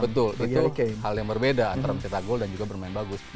betul itu hal yang berbeda antara mencetak gol dan juga bermain bagus